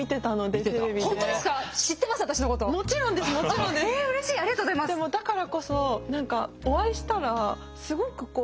でもだからこそ何かお会いしたらすごく柔らかいイメージ。